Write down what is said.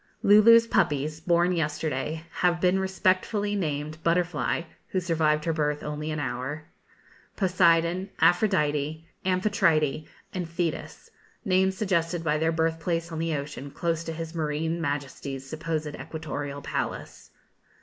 Lulu's puppies, born yesterday, have been respectively named Butterfly (who survived her birth only an hour), Poseidon, Aphrodite, Amphitrite, and Thetis names suggested by their birth place on the ocean close to his Marine Majesty's supposed equatorial palace.